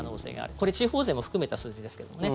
これ、地方税も含めた数字ですけどもね。